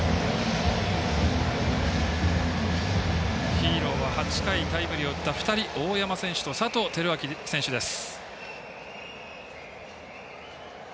ヒーローは８回タイムリーを打った２人大山選手と、佐藤輝明選手です。